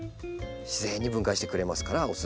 自然に分解してくれますからおすすめです。